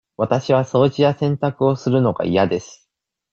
わたしは掃除や洗濯をするのが嫌です。